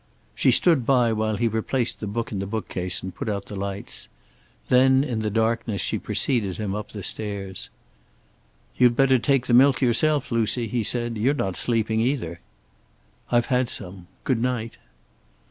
She stood by while he replaced the book in the bookcase and put out the lights. Then in the darkness she preceded him up the stairs. "You'd better take the milk yourself, Lucy," he said. "You're not sleeping either." "I've had some. Good night."